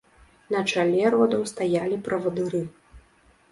На чале родаў стаялі правадыры.